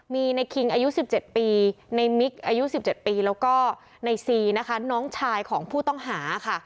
มีในคิงอายุ๑๗ปีในมิกอายุ๑๗ปีแล้วก็ในซีนะคะน้องชายของผู้ต้องหาค่ะ